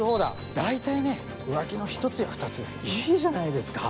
大体ね浮気の１つや２ついいじゃないですか。